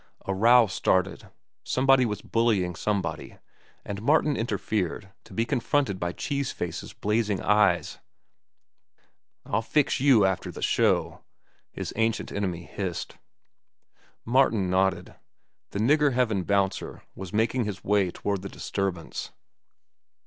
A row started. Somebody was bullying somebody, and Martin interfered, to be confronted by Cheese Face's blazing eyes. "I'll fix you after de show," his ancient enemy hissed. Martin nodded. The nigger heaven bouncer was making his way toward the disturbance.